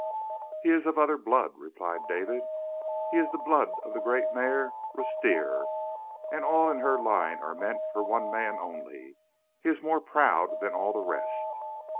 "His is of other blood," replied David. "He is the blood of the great mare Rustir, and all in her line are meant for one man only. He is more proud than all the rest."